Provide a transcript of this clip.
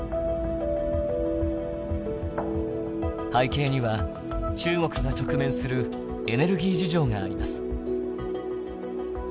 背景には中国が直面するエネルギー事情があります。